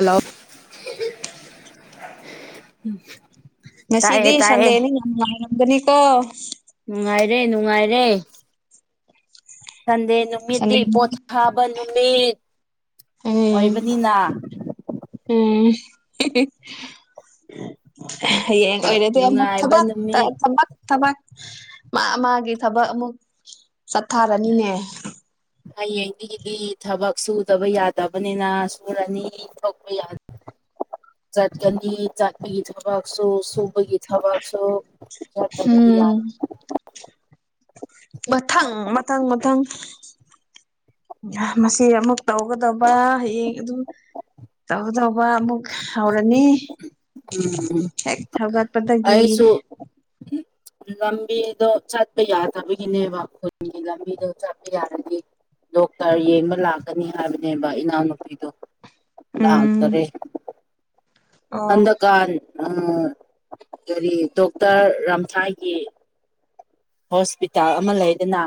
Hello ꯎꯝ ꯉꯁꯤꯗꯤ ꯁꯟꯗꯦꯅꯤ ꯌꯥꯝ ꯅꯨꯡꯉꯥꯏꯔꯝꯒꯅꯤꯀꯣ ꯅꯨꯡꯉꯥꯏꯔꯦ ꯅꯨꯡꯉꯥꯏꯔꯦ ꯁꯟꯗꯦ ꯅꯨꯃꯤꯠ ꯁꯟꯗꯦ ꯅꯨꯃꯤꯠ ꯄꯣꯊꯥꯕ ꯅꯨꯃꯤꯠ ꯎꯝ ꯑꯣꯏꯕꯅꯤꯅ ꯎꯝ ꯍꯌꯦꯡ ꯑꯣꯏꯔꯗꯤ ꯑꯃꯨꯛ ꯅꯨꯡꯉꯥꯏꯕ ꯊꯕꯛ ꯊ ꯅꯨꯃꯤꯠ ꯊꯕꯛ ꯃꯥ ꯃꯥꯒꯤ ꯊꯕꯛ ꯑꯃꯨꯛ ꯆꯠꯊꯔꯅꯤꯅꯦ ꯍꯌꯦꯡꯗꯒꯤꯗꯤ ꯊꯕꯛ ꯁꯨꯗꯕ ꯌꯥꯗꯕꯅꯤꯅ ꯁꯨꯔꯅꯤ ꯊꯛꯄ [inaudible] ꯆꯖꯥꯠꯀꯅꯤ ꯆꯥꯠꯄꯒꯤ ꯊꯕꯥꯛꯁꯨ ꯁꯨꯕꯒꯤ ꯊꯕꯛꯁꯨ ꯆꯠꯇꯕꯗꯤ ꯎꯝ ꯌꯥꯔꯣꯏ ꯃꯊꯪ ꯃꯊꯪ ꯃꯊꯪ ꯃꯁꯤ ꯑꯃꯨꯛ ꯇꯧꯒꯗꯕ ꯍꯌꯦꯡ ꯑꯗꯨꯝ ꯇꯧ ꯇꯧꯕ ꯑꯃꯨꯛ ꯍꯧꯔꯅꯤ ꯎꯝ ꯍꯦꯛ ꯍꯧꯒꯠꯄꯗꯒꯤ ꯑꯩꯁꯨ ꯂꯝꯕꯤꯗꯣ ꯆꯠꯄ ꯌꯥꯗꯕꯒꯤꯅꯦꯕ ꯈꯨꯟꯒꯤ ꯂꯝꯕꯤꯗꯣ ꯆꯠꯄ ꯌꯥꯔꯗꯤ ꯗꯣꯛꯇꯔ ꯌꯦꯡꯕ ꯂꯥꯛꯀꯅꯤ ꯍꯥꯏꯕꯅꯦꯕ ꯏꯅꯥꯎꯅꯨꯄꯤꯗꯣ ꯂꯥꯛꯇꯔꯦ ꯎꯝ ꯑꯣ ꯍꯟꯗꯀꯥꯟ ꯀꯔꯤ ꯗꯣꯛꯇꯔ ꯔꯥꯝꯊꯥꯏꯒꯤ ꯍꯣꯁꯄꯤꯇꯥꯜ ꯑꯃ ꯂꯩꯗꯅ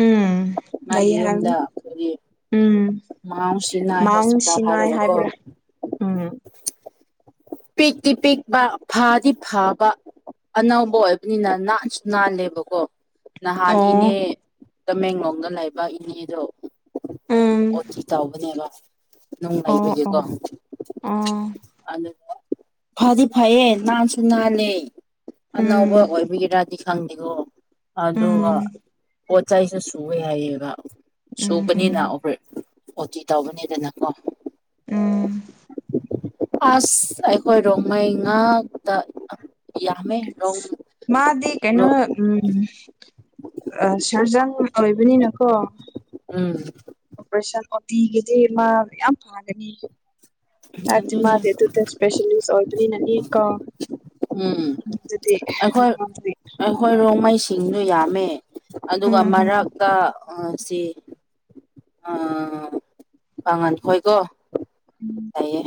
ꯎꯝ ꯂꯩ ꯃꯥꯒꯤ ꯍꯥꯏꯕꯅꯤ ꯌꯨꯝꯗ ꯑꯩꯈꯣꯏꯒꯤ ꯎꯝ ꯃꯥꯎ ꯁꯤꯅꯥꯏ ꯃꯥꯎꯟ ꯍꯣꯁꯄꯤꯇꯥꯜ ꯁꯤꯅꯥꯏ ꯍꯥꯏꯕꯗꯀꯣ ꯍꯥꯏꯕ꯭ꯔꯥ ꯎꯝ ꯄꯤꯛꯛꯇ ꯄꯤꯛꯄ ꯐꯥꯗꯤ ꯐꯥꯕ ꯑꯅꯧꯕ ꯑꯣꯏꯕꯅꯤꯅ ꯅꯥꯟꯁꯨ ꯅꯥꯜꯂꯦꯕ ꯑꯀꯣ ꯅꯍꯥꯟ ꯏꯅꯦ ꯑꯣ ꯇꯃꯦꯡꯂꯣꯡꯗ ꯂꯩꯕ ꯏꯅꯦꯗꯣ ꯎꯝ ꯑꯣꯊꯤ ꯆꯥꯎꯥꯎꯕꯅꯦꯕ ꯑꯣ ꯅꯨꯡꯉꯥꯏꯕꯒꯤꯦꯀꯣ ꯑꯣ ꯑꯣ ꯑꯗꯨ ꯐꯗꯤ ꯐꯌꯦ ꯅꯥꯟꯁꯨ ꯅꯥꯦ ꯑꯅꯧꯕ ꯎꯝ ꯑꯣꯏꯕꯤꯔꯗꯤ ꯈꯪꯗꯦꯀꯣ ꯑꯗꯨꯒ ꯎꯝ ꯄꯣꯠꯆꯥꯏꯁꯨ ꯁꯨꯑꯦ ꯍꯥꯏꯌꯦꯕ ꯎꯝ ꯁꯨꯕꯅꯤꯅ ꯎꯝ ꯑꯣꯇꯤ ꯇꯧꯕꯅꯤꯗꯅ ꯀꯣ ꯎꯝ ꯑꯁ ꯑꯩꯈꯣꯏ ꯔꯣꯡꯃꯩ ꯉꯥꯛꯇ ꯌꯥꯝꯃꯦ ꯔꯣꯡ ꯃꯥꯗꯤ ꯀꯩꯅꯣ ꯔꯣ ꯎ ꯁꯔꯖꯪ ꯑꯣꯏꯕꯅꯤꯅꯀꯣ ꯎꯝ ꯑꯣꯄꯔꯦꯁꯟ ꯑꯣꯄꯤꯤꯒꯗꯤꯦ ꯃꯥ ꯌꯥꯝ ꯐꯥꯒꯅꯤ ꯑꯗꯨꯅꯦ ꯔꯃꯗꯦ ꯑꯗꯨꯗ ꯁꯄꯦꯁꯜ ꯅꯌꯨꯁ ꯑꯣꯏꯔꯗꯅꯤ ꯅꯅꯤꯤꯔꯀ ꯎꯝ ꯖꯗꯤ ꯃꯃꯗꯤ ꯀ ꯑꯗꯨ ꯌꯥꯝꯃꯦ ꯑꯗꯨꯒ ꯃꯔꯛꯇ ꯁꯤ ꯄꯥꯉꯜ ꯍꯣꯏꯀꯣ ꯎꯝ ꯇꯌꯦ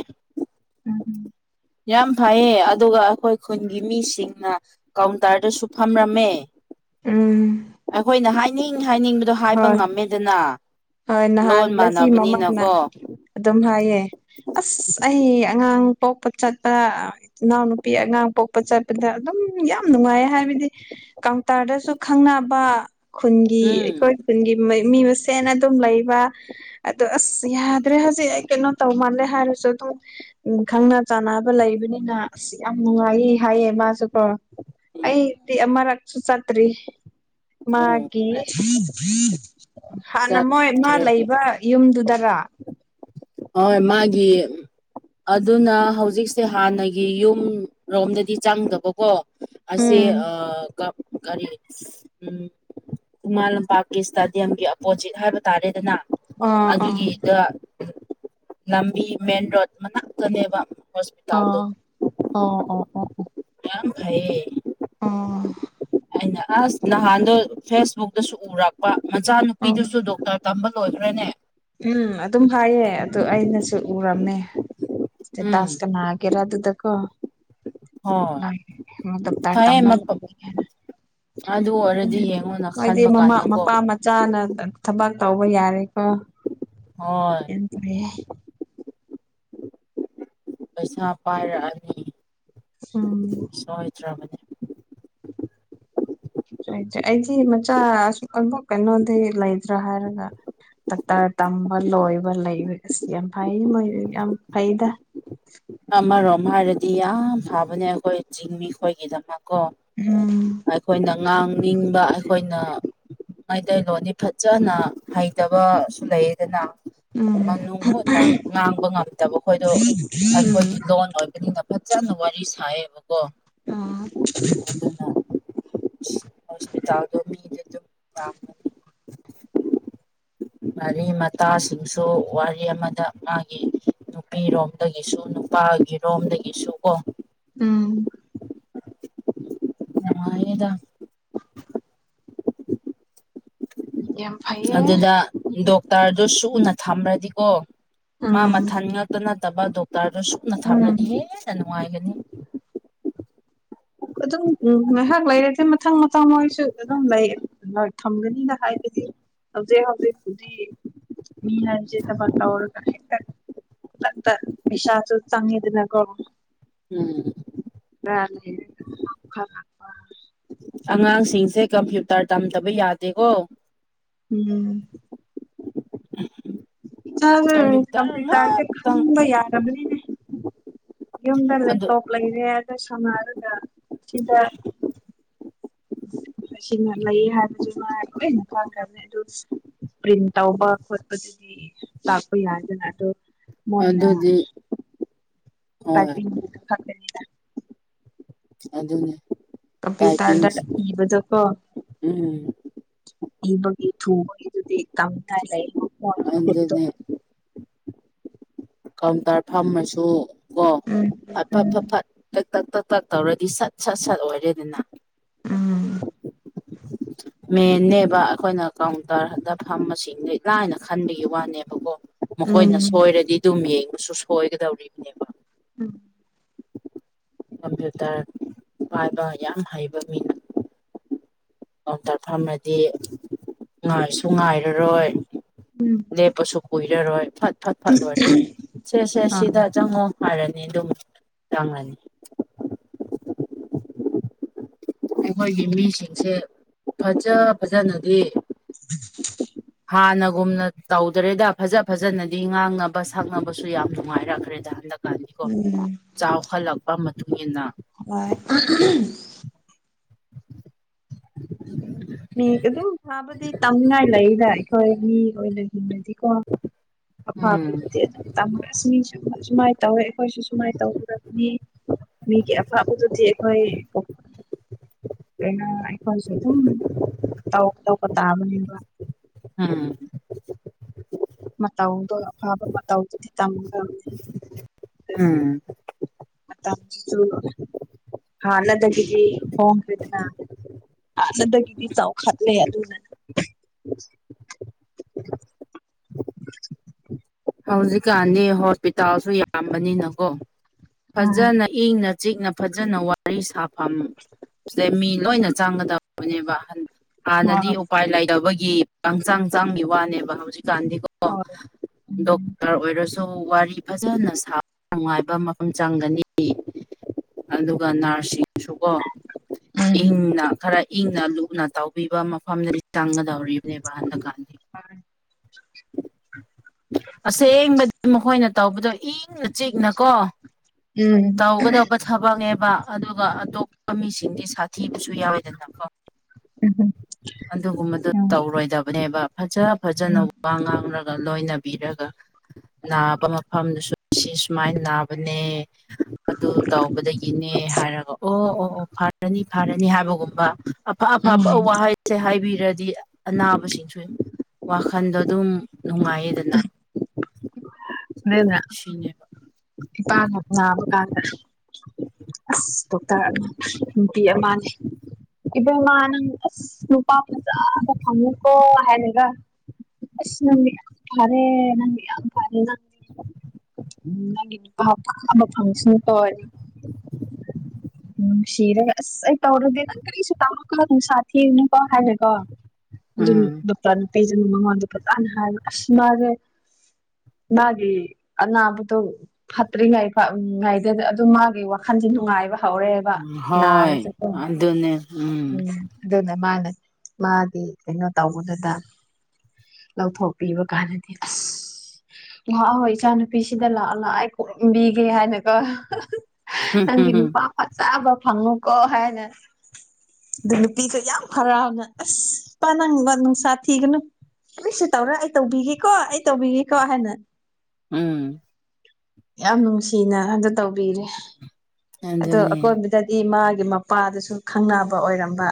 ꯎꯝ ꯌꯥꯝ ꯐꯩꯌꯦ ꯑꯗꯨꯒ ꯑꯩꯈꯣꯏ ꯈꯨꯟꯒꯤ ꯃꯤꯁꯤꯡꯅ ꯀꯥꯎꯟꯇꯔꯗꯁꯨ ꯐꯝꯔꯝꯃꯦ ꯎꯝ ꯑꯩꯈꯣꯏꯅ ꯍꯥꯏꯅꯤꯡ ꯍꯥꯏꯅꯤꯡꯕꯗꯣ ꯍꯥꯏꯕ ꯍꯣꯏ ꯉꯝꯃꯦꯗꯅ ꯍꯣꯏ ꯅꯍꯥꯟ ꯂꯣꯟ ꯕ‌ꯂ‌ꯦꯖꯤ ꯃꯃꯥꯅ ꯃꯥꯟꯅꯕꯅꯤꯅꯀꯣ ꯑꯗꯨꯝ ꯍꯥꯏꯌꯦ ꯑꯁ ꯑꯩ ꯑꯉꯥꯡ ꯄꯣꯛꯄ ꯆꯠꯄ ꯏꯅꯥꯎꯅꯨꯄꯤ ꯑꯉꯥꯡ ꯄꯣꯛꯄ ꯆꯠꯄꯗ ꯑꯗꯨꯝ ꯌꯥꯝ ꯅꯨꯡꯉꯥꯏ ꯍꯥꯏꯕꯅꯤ ꯍꯥꯏꯗꯤ ꯀꯥꯎꯟꯇꯔꯗꯁꯨ ꯈꯪꯅꯕ ꯈꯨꯟꯒꯤ ꯎꯝ ꯑꯩꯈꯣꯏ ꯈꯨꯟꯒꯤ ꯃꯤ ꯃꯁꯦꯟꯅ ꯑꯗꯨꯝ ꯑꯗꯨꯝ ꯂꯩꯕ ꯑꯗꯣ ꯑꯁ ꯌꯥꯗ꯭ꯔꯦ ꯍꯧꯖꯤꯛ ꯑꯩ ꯀꯩꯅꯣ ꯇꯧ ꯃꯥꯜꯂꯦ ꯍꯥꯏꯔꯁꯨ ꯑꯗꯨꯝ ꯎꯝ ꯈꯪꯅ ꯆꯥꯟꯅꯕ ꯂꯩꯕꯅꯤꯅ ꯑꯁ ꯌꯥꯝ ꯅꯨꯡꯉꯥꯏꯌꯦ ꯍꯥꯏꯌꯦ ꯃꯥꯁꯨꯀꯣ ꯎꯝ ꯑꯩꯗꯤ ꯑꯃꯔꯛ ꯁꯨꯆꯠꯇ꯭ꯔꯤ ꯑꯣ ꯃꯥꯒꯤ ꯅꯥ ꯃꯣꯏ ꯃꯥ ꯆꯠꯈ꯭ꯔꯦ ꯂꯩꯕ ꯌꯨꯝꯗꯨꯗꯔꯥ ꯍꫭꯏ ꯃꯥꯒꯤ ꯑꯗꯨꯅ ꯍꯧꯖꯤꯛꯁꯦ ꯍꯥꯟꯅꯒꯤ ꯌꯨꯝ ꯔꯣꯝꯗꯗꯤ ꯆꯪꯗꯕꯀꯣ ꯑꯁꯤ ꯎꯝ ꯑꯥ ꯀ ꯀꯔꯤ ꯎꯝ ꯈꯨꯨꯝꯃꯥꯜ ꯂꯝꯄꯥꯛꯀꯤ ꯏꯁꯇꯥꯗꯤꯌꯝꯒꯤ ꯑꯣꯄꯣꯖꯤꯠ ꯍꯥꯏꯕ ꯇꯥꯔꯦꯗꯅ ꯑꯥ ꯑꯥ ꯑꯗꯨꯒꯤꯗ ꯂꯝꯕꯤ ꯃꯦꯟ ꯔꯣꯗ ꯃꯅꯥꯛꯇꯅꯦꯕ ꯍꯣꯁꯄꯤꯇꯥꯜꯗ ꯑꯣ ꯑꯣ ꯌꯥꯝ ꯐꯩꯌꯦ ꯑꫭ ꯑꯩꯅ ꯑꯁ ꯅꯍꯥꯟꯗꯣ ꯐꯦꯁꯕꯨꯛꯇꯁꯨ ꯎꯔꯛꯄ ꯑꯣ ꯃꯆꯥꯅꯨꯄꯤꯗꯨꯁꯨ ꯗꯣꯛꯇꯔ ꯇꯝꯕ ꯂꯣꯏꯈ꯭ꯔꯦꯅꯦ ꯎꯝ ꯑꯗꯨꯝ ꯍꯥꯏꯌꯦ ꯑꯗꯨ ꯑꯩꯅꯁꯨ ꯎꯔꯝꯃꯦ ꯎꯝ ꯇꯥꯁꯀꯅꯥ [unintelligible] ꯀꯦꯔ ꯑꯗꯨꯗ ꯀꯣ ꯍꯣꯏ ꯃ ꯇꯔ ꯐꯩꯌꯦ ꯇꯝꯕꯅ [unintelligible] ꯎꯝ ꯑꯗꯨ ꯑꯣꯏꯔꯗꯤ ꯌꯦꯡꯉꯣꯅ ꯃꫭꯏꯗꯤ ꯈꯟꯕ ꯃꯃꯥ ꯀꯥꯟꯗꯀꯣ ꯃꯄꯥ ꯃꯆꯥꯅ ꯗꯛꯇꯔ ꯊꯕꯛ ꯇꯧꯕ ꯌꯥꯔꯦꯀꯣ ꯍꯣꯏ ꯌꯥꯝ ꯐꯩꯌꯦ ꯄꯩꯁꯥ ꯄꯥꯏꯔꯛꯑꯅꯤ ꯎꯝ ꯁꫭꯏ ꯗꯔꯥꯕꯅ‌ꯦ ꯑꯩꯗꯤ ꯃꯆꯥ ꯑ ꯑꯃꯛ ꯀꯩꯅꯣꯗꯤ ꯂꯩꯗ꯭ꯔꯥ ꯍꯥꯏꯔꯒ ꯗꯥꯛꯇꯔ ꯇꯝꯕ ꯂꯣꯏꯕ ꯂꯩꯕ ꯑꯁꯤ ꯌꯥꯝ ꯐꯩ ꯃꯣꯏ ꯌꯥꯝ ꯐꯩꯗ ꯑꯃꯔꯣꯝ ꯍꯥꯏꯔꯗꯤ ꯌꯥꯝ ꯐꯕꯅꯦ ꯑꯩꯈꯣꯏ ꯆꯤꯡ ꯃꯤ ꯈꯣꯏꯒꯤꯗꯃꯛ ꯀꯣ ꯎꯝ ꯑꯩꯈꯣꯏꯅ ꯉꯥꯡꯅꯤꯡꯕ ꯑꯩꯈꯣꯏꯅ ꯃꯩꯇꯩꯂꯣꯟꯣꯟꯗꯤ ꯐꯖꯅ ꯍꯩꯇꯕꯁꯨ ꯂꯩꯌꯦꯗꯅ ꯎꯝ ꯃꯅꯨꯡ ꯍꯨꯠꯅ ꯉꯥꯡꯕ ꯉꯝꯗꯕ ꯈꯣꯏꯗꯣ ꯎꯝ ꯑꯩꯈꯣꯏꯒꯤ ꯂꯣꯟ ꯑꯣꯏꯕꯅꯤꯅꯥ ꯐꯖꯅꯥ ꯋꯥꯔꯤ ꯁꯥꯏꯌꯦꯕꯀꯣ ꯎꯝ ꯑꯗꯨꯅ ꯁꯄꯤ ꯇꯗ ꯃꯤ [unintelligible] [inaudible] ꯃꯔꯤ ꯃꯇꯥꯁꯤꯡꯁꯨ ꯋꯥꯔꯤ ꯑꯃꯗ ꯃꯥꯒꯤ ꯅꯨꯄꯤꯔꯣꯝꯗꯒꯤ ꯅꯨꯄꯥꯒꯤꯔꯣꯝꯗꯒꯤꯁꯨ ꯀꯣ ꯎꯝ ꯅꯨꯉꯥꯏꯅꯤꯗ ꯌꯥꯝ ꯐꯩꯌꯦ ꯑꯗꯨꯗ ꯗꫭꯛ ꯇꯔꯗꯨ ꯁꯨꯅ ꯊꯝꯃ꯭ꯔꯗꯤꯀꯣ ꯃꯥ ꯎꯝ ꯃꯊꯟ ꯉꯛꯇ ꯅꯠꯇꯕ ꯗꫭꯛ ꯇꯥꯔꯗꯨ ꯁꯨꯅ ꯎꯝ ꯊꯝꯂꯗꯤ ꯍꯦꯟꯅ ꯅꯨꯡꯉꯥꯏꯒꯅꯤ ꯑꯗꯨꯝ ꯉꯥꯏꯍꯥꯛ ꯂꯩꯔꯗꯤ ꯃꯊꯪ ꯃꯊꯪ ꯃꯣꯏꯁꯨ ꯑꯗꯨꯝ ꯂꯩ ꯊꯝꯒꯅꯤꯅ ꯍꯥꯏꯕꯗꯤ ꯍꯧꯖꯤꯛ ꯍꯧꯖꯤꯛ ꯄꯨꯗꯤ ꯃꯤ ꯍꯥꯏꯖꯦ ꯊꯕꯛ ꯇꯧꯔꯒ ꯍ‌ꯦꯛꯇ ꯈꯨꯗꯛꯇ ꯄꯩꯁꯥꯁꯨ ꯆꯪꯉꯤꯗꯅꯀꯣ ꯎꯝ ꯀ ꯂꯩ ꯈꯔ [unintelligible] ꯑꯉꯥꯡꯁꯤꯡꯁꯦ ꯀꯝꯄ꯭ꯌꯨꯇꯔ ꯇꯝꯗꯕ ꯌꯥꯗꯦꯀꯣ ꯎꯝ ꯎ ꯎꯝ [unintelligible] ꯏꯆꯥꯅ ꯀꯝꯄ꯭ꯌꯨꯇꯔꯁꯦ ꯈꯪꯕ ꯌꯥꯔꯕꯅꯤꯅ‌ꯦ ꯌꯨꯝꯗ ꯑꯗꯨ ꯂꯦꯞꯇꯣꯞ ꯂꯩꯔꯦ ꯑꯗꯨ ꯁꯅꯔꯒ ꯁꯤꯗꯥ ꯁꯤꯃ ꯂꯩꯌꯦ ꯍꯥꯏꯕꯁꯨ ꯅꯨꯡꯉꯥꯏꯔ ꯑꯩꯅ ꯈꯪꯈ꯭ꯔꯅꯤ ꯑꯗꯨ ꯄ꯭ꯔꯤꯟ ꯇꯧꯕ ꯈꯣꯠꯄꯗꯨꯗꯤ ꯇꯥꯛꯄ ꯌꯥꯏꯗꯅ ꯑꯗꯣ ꯃꯣꯏꯅ ꯑꯗꯨꯗꯤ ꯍꯣꯏ [unintelligible] ꯑꯗꯨ ꯑꯗꯨꯅꯦ ꯀꯄꯤ ꯇꯗꯕꯖ ꯀ ꯎꯝ ꯏꯕ ꯊꯨꯕ ꯏꯔꯗꯤ ꯀꯝꯇꯂ ꯃ ꯍꯠꯇ ꯑꯗꯨꯅꯦ ꯀꯥꯎꯟꯇꯔ ꯐꯝꯃꯁꯨ ꯀꯣ ꯐꯠ ꯐꯠ ꯐꯠ ꯐꯠ ꯇ ꯇꯛ ꯇꯛ ꯄꯇꯛ ꯇꯧꯔꯗꯤ ꯁꯠ ꯁꯠ ꯁꯠ ꯑꯣꯏꯔꯦꯗꯅ [unintelligible] ꯃꯦꯟꯅꯦꯕ ꯑꯩꯈꯣꯏꯅ ꯀꯥꯎꯟꯇꯔꯗ ꯐꯝꯝꯕꯁꯤꯡꯗ ꯏ ꯂꯥꯏꯅ ꯈꯟꯕꯒꯤ ꯋꯥꯅꯦꯕꯀꯣ ꯃꯈꯣꯏꯅ ꯁꯣꯏꯔꯗꯤ ꯑꯗꯨꯝ ꯌꯦꯡꯕꯁꯨ ꯁꯣꯏꯒꯗꯧꯔꯤꯕꯅꯦꯕ ꯎꯝ ꯀꯝꯄ꯭ꯌꯨꯇꯔ ꯄꯥꯏꯕ ꯌꯥꯝ ꯍꯩꯕ ꯃꯤꯅ ꯑꯗꯨꯣꯝꯇꯐꯝꯝꯃꯗꯤ ꯉꯥꯏꯁꯨ ꯉꯥꯏꯔꯔꯣꯏ ꯂꯦꯞꯄꯁꯨ ꯀꯨꯏꯔꯔꯣꯏ ꯐꯠ ꯐꯠ ꯐꯠ ꯂꯣꯏꯔꯅꯤ ꯁꯦ ꯁꯦ ꯁꯤꯗ ꯆꯪꯉꯣ ꯐꯔꯅꯤ ꯑꯗꯨꯝ ꯆꯪꯉꯅꯤ ꯑꯩꯈꯣꯏꯒꯤ ꯃꯤꯁꯤꯡꯁꯦ ꯐꯖ ꯐꯖꯅꯗꯤ ꯎꯝ ꯍꯥꯟꯅꯒꯨꯝꯅ ꯇꯧꯗ꯭ꯔꯦꯗ ꯐꯖ ꯐꯖꯅꯗꯤ ꯉꯥꯡꯅꯕ ꯁꯛꯅꯕꯁꯨ ꯌꯥꯝ ꯅꯨꯡꯉꯥꯏꯔꯛꯈ꯭ꯔꯦꯗ ꯍꯟꯗꯛ ꯣ ꯆꯥꯎꯈꯠꯂꯛꯄ ꯃꯇꯨꯡ ꯏꯟꯅ ꯍ ꯑꯗꯨꯝ ꯐꯥꯕꯗꯤ ꯇꯝꯅꯤꯡꯉꯥꯏ ꯂꯩꯗ ꯑꯩꯈꯣꯏ ꯃꯤ ꯑꯣꯏꯅ ꯍꯤꯡꯅꯗꯤꯀꯣ ꯑ ꯑꯗꯨ ꯎꯝ ꯃꯤꯁꯨ ꯁꯨꯃꯥꯏꯅ ꯇꯧꯋꯦ ꯑꯩꯈꯣꯏꯁꯨ ꯁꯨꯃꯥꯏꯅ ꯇꯧꯗꯕꯅꯤ ꯃꯤ ꯀ ꯑꯐꯕꯗꯨꯗꯤ ꯑꯩꯈꯣꯏ ꯀꯩꯅ ꯑꯩꯈꯣꯏꯊ ꯇꯧ ꯇꯧꯀ ꯇꯥꯕꯅꯦꯕ ꯑꯝ ꯃꯇꯥꯎꯗꯣ ꯑꯐꯕ ꯃꯇꯥꯎꯗꯨꯗꯤ ꯇꯝꯒ ꯎꯝ ꯑꯁꯨ ꯍꯅꯗꯒꯔꯤ ꯍꯣꯡ꯭ꯔꯗꯅꯅꯗ ꯑꯩꯗꯤ ꯆꯥꯎꯈꯠꯂꯦ ꯑꯗꯨꯅꯅ ꯍꯧꯖꯤꯛꯀꯥꯟꯗꯤ ꯍꯣꯁꯄꯤꯇꯥꯜꯁꯨ ꯌꯥꯝꯕꯅꯤꯅꯀꯣ ꯐꯖꯅ ꯏꯪꯅ ꯆꯤꯛꯅ ꯐꯖꯅ ꯋꯥꯔꯤ ꯁꯥꯐꯝ ꯁꯤꯦ ꯃꯤ ꯂꯣꯏꯅ ꯆꯥꯡꯒꯗꯕꯅꯦꯕ ꯍꯥꯟꯅꯗꯤ ꯑ ꯎꯄꯥꯏ ꯂꯩꯇꯕꯒꯤ ꯍꯛꯆꯥꯡ ꯆꯥꯡꯒꯤ ꯋꯥꯅꯦꯕ ꯍꯧꯖꯤꯛ ꯍꯣꯏ ꯎꯝ ꯗꯔꯀꯥꯔ ꯑꯣꯏꯔꯁꯨ ꯋꯥꯔꯤ ꯐꯖꯅ ꯁꯥꯕ ꯅꯨꯡꯉꯥꯏꯕ ꯃꯐꯝ ꯆꯪꯒꯅꯤ ꯑꯗꯨꯒ ꯅꯔꯁꯁꯤꯡꯁꯨꯀꯣ ꯎꯝ ꯏꯪꯅ ꯈꯔ ꯏꯪꯅ ꯂꯨꯞꯅ ꯇꯧꯕꯤꯕ ꯃꯐꯝꯗꯗꯤ ꯆꯪꯒꯗꯧꯔꯤꯕꯅꯦꯕ ꯍꯟꯗꯛꯀꯥꯟꯗ ꯑ ꯑꯁꯦꯡꯕꯗꯤ ꯃꯈꯣꯏꯅ ꯇꯧꯕꯗꯣ ꯏꯪꯅ ꯆꯤꯛꯅꯀꯣ ꯎꯝ ꯇꯧꯒꯗꯧꯕ ꯊꯥꯕꯉꯦ ꯑꯗꯨꯒ ꯑꯇꯣꯞꯄ ꯃꯤꯁꯤꯡꯗꯤ ꯁꯥꯊꯤꯕꯁꯨ ꯌꯥꯎꯋꯦꯗꯅꯀꯣ ꯎꯝ ꯑꯗꯨꯒꯨꯝꯕꯗꯨ ꯎꯝ ꯇꯧꯔꯣꯏꯗꯕꯅꯦꯕ ꯐꯖ ꯐꯖꯅ ꯎꯝ ꯋꯥ ꯉꯥꯡꯔꯒ ꯂꯣꯏꯅꯕꯤꯔꯒ ꯅꯥꯕ ꯃꯐꯝꯗꯨꯁꯨ ꯁꯤ ꯁꯨꯃꯥꯏ ꯅꯥꯕꯅꯦ ꯑꯗꯨ ꯇꯧꯕꯗꯒꯤꯅꯦ ꯍꯥꯏꯔꯒ ꯑꯣ ꯑꯣ ꯑꯣ ꯐꯔꯅꯤ ꯐꯔꯅꯤ ꯍꯥꯏꯕꯒꯨꯝꯕ ꯑꯐ ꯑꯐꯕ ꯎꯝ ꯋꯥꯍꯩꯁꯦ ꯍꯥꯏꯕꯤꯔꯗꯤ ꯑꯅꯥꯕꯁꯤꯡꯁꯨ ꯋꯥꯈ ꯈꯟꯗꯣ ꯑꯗꯨꯝ ꯅꯨꯡꯉꯥꯏꯌꯦꯗꯅ ꯑꯗꯨꯅꯦ ꯁꯤꯅꯦꯕ ꯏꯄꯥ ꯀꯥꯗꯦ ꯑꯁ ꯗꯣꯛꯇꯔ ꯑꯃ ꯅꯨꯄꯤ ꯑꯃꯅꯦ꯫ ꯏꯕ ꯃꯥꯅꯪ ꯑꯁ ꯅꯨꯄꯥ ꯐꯖꯕ ꯐꯪꯎꯀꯣ ꯍꯥꯏꯔꯒ ꯑꯁ ꯅꯪꯗꯤ ꯌꯥꯝ ꯐꯔꯦ ꯅꯪꯗꯤ ꯌꯥꯝ ꯐꯔꯦꯅ꯫ [unintelligible] [unintelligible] ꯎꯝ ꯁꯤꯔꯦ ꯑꯁ ꯑꯩ ꯇꯧꯔꯒꯦ ꯅꯪ ꯀꯔꯤꯁꯨ ꯇꯥꯔꯣꯀꫭ ꯅꯨꯡꯁꯥ ꯊꯤꯔꯨꯅꯨꯀꫭ ꯍꯥꯏꯒꯔꯦ ꯀꯣ꯫ ꯎꯝ [unintelligible] [inaudible] ꯄꯩꯖꯅ ꯃꯉꯣꯟꯗꯣ ꯐꯖꯅ ꯍꯥꯏꯕ ꯑꯁ ꯃꯥꯁꯦ ꯃꯥꯒꯤ ꯑꯅꯥꯕꯗꯨꯣ ꯐꯠꯇ꯭ꯔꯤꯉꯩ ꯉꯥꯏꯒꯗ ꯑꯗꯨ ꯃꯥꯒꯤ ꯋꯥꯈꯟꯁꯦ ꯅꯨꯡꯉꯥꯏꯕ꯫ ꯍꯧꯔꯦꯕ ꯍꯣꯏ ꯅꯥꯔꯁꯨꯀꫭ ꯑꯗꯨꯅꯦ ꯎꯝ ꯑꯗꯨꯅ ꯃꯥꯅ ꯃꯥꯗꯤ ꯀꯩꯅꯣ ꯇꯧꯕꯗꯨꯗ ꯂꯧꯊꯣꯛꯄꯤꯕ ꯀꯥꯟꯅꯗꯤ ꯑꯁ ꯍ ꯍꯣꯏ ꯏꯆꯥꯥꯅꯨ ꯅꯨꯄꯤꯁꯤꯗ ꯂꯥꯛꯑꯣ ꯂꯥꯛ ꯑꯩ ꯀꯣꯝꯕꯤꯒꯦ ꯍꯥꯏꯅꯀꯣ ꯅꯪꯒꯤ ꯅꯨꯄꯥ ꯐꯖꯕ ꯐꯥꯉꯨ ꯀꫭ ꯍꯥꯏꯅ ꯑꯗꯨ ꯅꯨꯄꯤꯒ ꯌꯥꯝ ꯍꯔꯥꯎꯅ ꯑꯁ ꯄ ꯅꯪꯁꯥ ꯊꯤꯒꯅꯨ꯫ ꯀꯔꯤꯁꯨ ꯇꯧꯔꫭꯏ ꯑꯩ ꯇꯧꯕꯤꯒꯦꯀꯣ ꯑꯩ ꯇꯧꯕꯤꯒꯦꯀꯣ ꯍꯥꯏꯅ ꯎꯝ꯫ ꯌꯥꯝ ꯅꯨꯡꯁꯤꯅ ꯑꯗꯨ ꯇꯧꯕꯤꯔꯦ ꯑꯗꯣ ꯑꯗꯨꯅꯦ ꯑꯀꯣꯟꯕꯗꯗꯤ ꯃꯥ ꯒꯤ ꯃꯄꯥꯗꯨꯁꯨ ꯈꯪꯅꯕ ꯑꯣꯏꯔꯝꯕ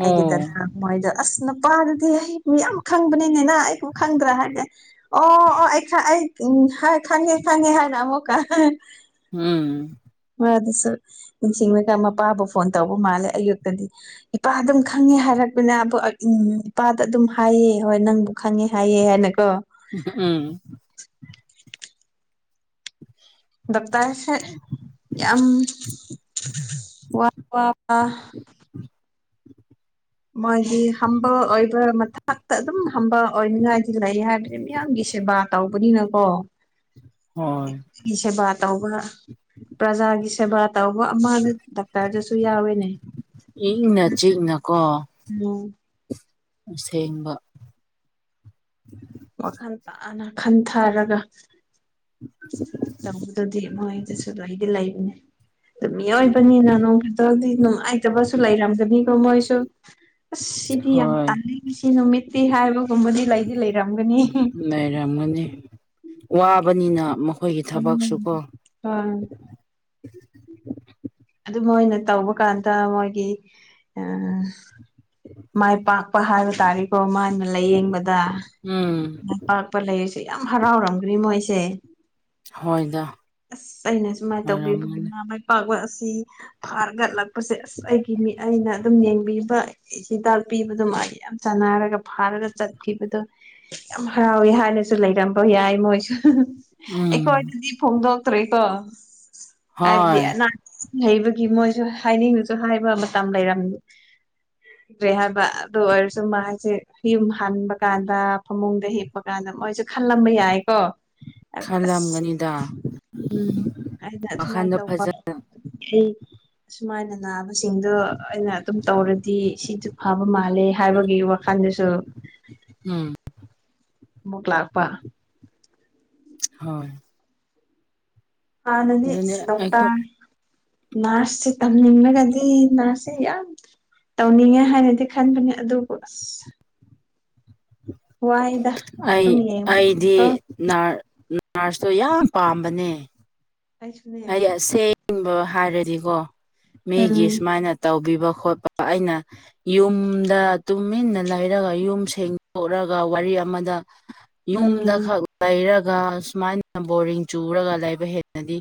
ꯑꯩꯒꯤ ꯗꯗꯥ ꯃꯣꯏꯗꫭ ꯑꯁ ꯅꯨꯄꯥꯗꯨꯗꯤ ꯑꯩ ꯃꯤ ꯌꯥꯝ ꯈꯪꯕꯅꯤꯅꯤꯅ ꯑꯩꯕꯨ ꯈꯪꯗ꯭ꯔꯥ ꯍꯥꯏꯕꯅꯦ꯫ ꯑꯣ ꯑꯣ ꯑꯩ ꯈ ꯑꯩ ꯎꯝ ꯍꯥꯏ ꯈꯪꯉꯦ-ꯈꯪꯉꯦ ꯍꯥꯏꯔ ꯑꯃꯛꯀ ꯎꯝ꯫ ꯃꯥ ꯑꯗꯨꯁꯨ ꯅꯤꯡꯁꯤꯡꯔꯒ ꯃꯄꯥꯕꯨ ꯐꯣꯟ ꯇꯧꯕ ꯃꯥꯜꯂꯦ ꯑꯌꯨꯛꯇꯗꯤ ꯏꯄꯥ ꯑꯗꯨꯝ ꯈꯪꯉꯦ ꯍꯥꯏ꯫ ꯍꯥꯏꯔꯛꯄꯅꯦꯕꯨ ꯎꯝ ꯏꯄꯥꯗ ꯑꯗꯨꯝ ꯍꯥꯏꯑꯦ ꯍꯣꯏ ꯅꯪꯕꯨ ꯈꯪꯉꯦ ꯍꯥꯏꯑꯦ ꯍꯥꯏꯅ ꯎꯝ꯫ ꯗꯛꯇꯔꯁꯦ ꯌꯥꯝ ꯋꯥ ꯋꯥꯕ [inaudible] ꯃꯥꯒꯤ ꯍꯝꯕꯜ ꯑꯣꯏꯕ ꯃꯊꯛꯇ ꯑꯗꯨꯝ ꯍꯝꯕꯜ ꯑꯣꯏꯅꯤꯡꯉꯥꯏꯗꯤ ꯂꯩꯔꯤ ꯍꯥꯏꯕꯅꯤ ꯃꯤꯌꯥꯝꯒꯤ ꯁꯦꯕꯥ ꯇꯧꯕꯅꯤꯅꯀꯣ ꯍꯣꯏ ꯒꯤ ꯁꯦꯕꯥ ꯇꯧꯕ ꯄ꯭ꯔꯖꯥꯒꯤ ꯁꯦꯕꯥ ꯇꯧꯕ ꯑꯃꯅꯤ ꯗꯣꯛꯇꯔꯗꯁꯨ ꯌꯥꯎꯋꯦꯅꯦ꯫ ꯏꯪꯅ ꯆꯤꯛꯅꯀꯣ ꯎꯝ ꯑꯁꯦꯡꯕ꯫ ꯋꯥꯈꯜ ꯇꯥꯅ ꯈꯟꯊꯔꯒ ꯇꯧꯕꯗꯨꯗꯤ ꯃꯣꯏ ꯑꯗꯨꯁꯨ ꯂꯩꯗꯤ ꯂꯩꯕꯅꯦ꯫ ꯗꫭ ꯃꯤꯑꯣꯏꯕꯅꯤꯅ ꯅꯣꯡ ꯈꯤꯛꯇꯪꯗꯤ ꯅꯨꯡꯉꯥꯏꯇꯕꯁꯨ ꯂꯩꯔꯝꯒꯅꯤꯀꯣ ꯃꯣꯏꯁꯨ꯫ ꯑꯁ ꯁꯤꯗꯤ ꯌꯥꯝ ꯍꯣꯏ ꯇꯥꯜꯂꯤ ꯁꯤ ꯅꯨꯃꯤꯠꯇꯤ ꯍꯥꯏꯕꯒꯨꯝꯕꯗꯤ ꯂꯩꯗꯤ ꯂꯩ ꯎꯝ ꯂꯩꯔꯝꯒꯅꯤ ꯋꯥꯕꯅꯤꯅ ꯃꯈ ꯈꯣꯏꯒꯤ ꯎꯝ ꯊꯕꯛꯁꯨꯀꯣ ꯍꯣꯏ ꯑꯗꯨ ꯃꯣꯏꯅ ꯇꯧꯕ ꯀꯥꯟꯗ ꯃꯣꯏꯒꯤ ꯑ ꯃꯥꯏ ꯄꯥꯛꯄ ꯍꯥꯏꯕ ꯇꯥꯔꯦꯀꯣ ꯃꯥꯅ ꯂꯥꯏꯌꯦꯡꯕꯗ ꯎꯝ ꯃꯥꯏ ꯄꯥꯛꯄ ꯂꯩꯔꯤꯁ ꯁꯨ ꯌꯥꯝ ꯍꯔꯥꯎꯔꯝꯒꯔꯅꯤ ꯃꯣꯏꯁꯦ꯫ ꯍꯣꯏꯗ ꯑꯁ ꯑꯩꯅ ꯁꯨꯃꯥꯏꯅ ꯇꯧꯕꯤꯕꯒꯤ ꯑꯣꯏꯔꯝꯒꯅꯤ ꯃꯥ ꯃꯥꯏ ꯄꯥꯛꯄ ꯑꯁ ꯏ ꯐꯥꯔꯒꯠꯂꯛꯄꯁꯦ ꯑꯁ ꯑꯩꯒꯤ ꯃꯤ ꯑꯩꯅ ꯑꯗꯨꯝ ꯌꯦꯡꯕꯤꯕ꯫ ꯍꯤꯗꯥꯛ ꯄꯤꯕꯗꯨ ꯃꯥ ꯌꯥꯝ ꯆꯅꯥꯔꯒ ꯐꯥꯔꯒ ꯆꯠꯈꯤꯕꯗꯣ ꯌꯥꯝ ꯍꯔꯥꯎꯋꯦ ꯍꯥꯏꯅ ꯁꯨ ꯂꯩꯔꯝꯕ ꯌꯥꯏ ꯃꯣꯏꯁꯨ ꯎꯝ ꯑꯩꯈꯣꯏꯗꯗꯤ ꯐꯣꯡꯗꯣꯛꯇ꯭ꯔꯤꯀꯣ ꯍꯥꯏꯕꯗꯤ ꯍꯣꯏ ꯑꯅꯥ ꯂꯩꯕꯒꯤ ꯃꯣꯏꯁꯨ ꯍꯥꯏꯅꯤꯡꯗꯁꯨ ꯍꯥꯏꯕ ꯃꯇꯝ ꯂꯩꯔꯝ ꯗ꯭ꯔꯦ ꯍꯥꯏꯕ ꯑꯗꯨ ꯑꯣꯏꯔꯁꯨ ꯃꯥꯁꯦ ꯌꯨꯝ ꯍꯟꯕ ꯀꯥꯟꯗ ꯐꯃꯨꯡꯗ ꯍꯤꯞꯄ ꯀꯥꯟꯗ ꯃꯣꯏꯁꯦ ꯈꯜꯂꯝꯕ ꯌꯥꯏꯀꯣ ꯈꯜꯂꯝꯒꯅꯤꯗ ꯎꯝ ꯍꯥꯏꯅ ꯁꯁꯨꯃꯥꯏꯅ ꯋꯥꯈꯟꯗꯣ ꯇꯧꯕ ꯐꯖ ꯑꯩ ꯑꯨꯃꯥꯏꯅ ꯅꯥꯕꯁꯤꯡꯗꯣ ꯑꯩꯅ ꯑꯗꯨꯝ ꯇꯧꯔꯦ ꯁꯤꯁꯨ ꯐꯕ ꯃꯥꯜꯂꯦ ꯍꯥꯏꯕꯒꯤ ꯋꯥꯈꯜꯗꯨꯁꯨ ꯎꯝ ꯑꯃꯨꯛ ꯂꯥꯛꯄ ꯍꯣꯏ ꯑꯥ ꯅꯅꯤ ꯑꯗꯨꯅꯦ ꯗꯣꯛꯇꯥ ꯑꯩꯈꯣꯏ ꯅꯁꯤ ꯇꯝꯃꯤꯅ ꯀꯗꯤ ꯅꯅꯥꯁꯤꯦ ꯌꯥꯝ ꯇꯧꯅꯤꯡꯉꯦ ꯍꯥꯏꯅꯗꯤ ꯈꯟꯕꯅꯦ ꯑꯗꯨꯕꯨ ꯑꯁ ꯋꯥꯏꯗ ꯑꯩ ꯑꯗꯨꯝ ꯑꯩꯗꯤ ꯌꯦꯡꯕꯀꯣ ꯅꯔꯁꯇꯣ ꯌꯥꯝ ꯄꯥꯝꯕꯅꯦ ꯑꯩꯁꯨꯅꯦ ꯍꯥꯏꯗꯤ ꯑꯁꯦꯡꯕ ꯍꯥꯏꯔꯗꯤꯀꯣ ꯎꯝ ꯃꯤꯒꯤ ꯁꯨꯃꯥꯏꯅ ꯇꯧꯕꯤꯕ ꯈꯣꯠꯄ ꯑꯩꯅ ꯌꯨꯝꯗ ꯇꯨꯃꯤꯟꯅ ꯂꯩꯔꯒ ꯌꯨꯝ ꯁꯦꯡꯗꯣꯛꯂꯒ ꯋꯥꯔꯤ ꯆꯃꯗ ꯌꯨꯝꯗ ꯎꯝ ꯈꯛ ꯂꯩꯔꯒ ꯁꯨꯃꯥꯏꯅ ꯕꯣꯔꯤꯡ ꯆꯨꯔꯒ ꯂꯩꯕ ꯍꯦꯟꯅꯗꯤ